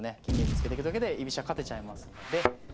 金銀ぶつけてくだけで居飛車勝てちゃいますので。